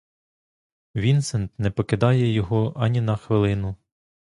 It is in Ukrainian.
Вінсент не покидає його ані на хвилину.